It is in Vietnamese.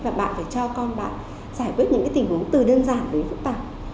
và bạn phải cho con bạn giải quyết những tình huống từ đơn giản đến phức tạp